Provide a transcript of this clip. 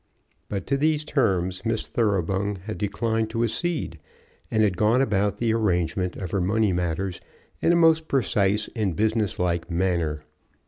But to these terms Miss Thoroughbung had declined to accede, and had gone about the arrangement of her money matters in a most precise and business like manner.